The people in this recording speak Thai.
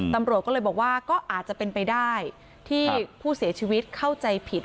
ตำรวจก็เลยบอกว่าก็อาจจะเป็นไปได้ที่ผู้เสียชีวิตเข้าใจผิด